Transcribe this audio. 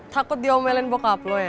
takut dia omelin bokap lo ya